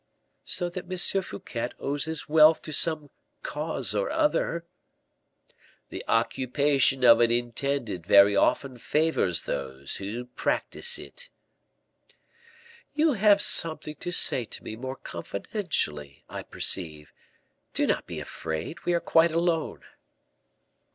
"So that M. Fouquet owes his wealth to some cause or other." "The occupation of an intendant very often favors those who practice it." "You have something to say to me more confidentially, I perceive; do not be afraid, we are quite alone."